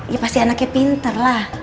ya pasti anaknya pinter lah